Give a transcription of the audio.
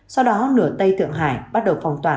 sau đó nửa tây tượng hải bắt đầu phong toả